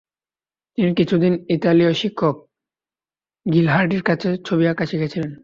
তিনি কিছুদিন ইতালীয় শিক্ষক গিলহার্ডির কাছে ছবি আঁকা শিখেছিলেন।